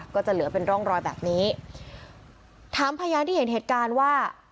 ก็จะเหลือเป็นร่องรอยแบบนี้ถามพยานที่เห็นเหตุการณ์ว่า